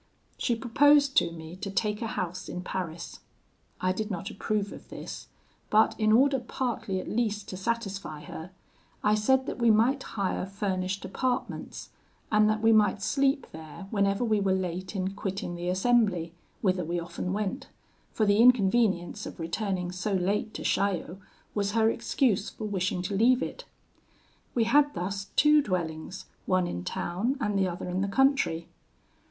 She proposed to me to take a house in Paris. I did not approve of this; but, in order partly at least to satisfy her, I said that we might hire furnished apartments, and that we might sleep there whenever we were late in quitting the assembly, whither we often went; for the inconvenience of returning so late to Chaillot was her excuse for wishing to leave it. We had thus two dwellings, one in town and the other in the country.